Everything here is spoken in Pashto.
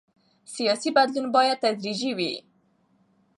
سیاسي بدلون باید تدریجي وي